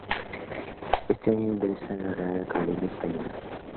Ese año ingresó en la Real Academia Española.